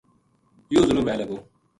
یوہ ظلم وھے لگو